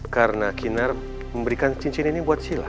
karena kinar memberikan cincin ini buat sila